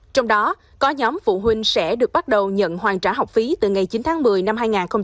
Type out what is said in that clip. trong đó có nhóm phụ huynh sẽ được bắt đầu nhận hoàn trả học phí từ ngày chín tháng một mươi năm hai nghìn hai mươi